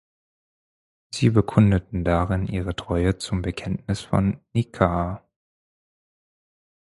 Sie bekundeten darin ihre Treue zum Bekenntnis von Nicäa.